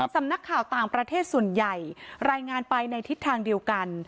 สำนักข่าวต่างประเทศส่วนใหญ่รายงานไปในทิศทางเดียวกัน